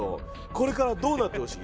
これからどうなってほしい？